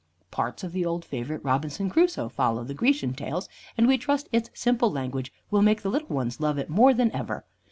Parts of the old favorite "Robinson Crusoe" follow the Grecian tales, and we trust its simple language will make the little ones love it more than ever.